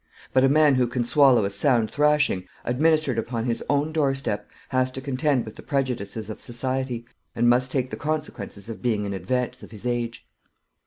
But a man who can swallow a sound thrashing, administered upon his own door step, has to contend with the prejudices of society, and must take the consequences of being in advance of his age.